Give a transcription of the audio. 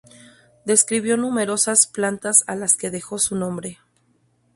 Describió numerosas plantas a las que dejó su nombre.